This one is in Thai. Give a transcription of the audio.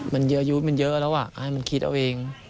มันเยอะยูดมันเยอะแล้วอ่ะให้มันคิดเอาเอง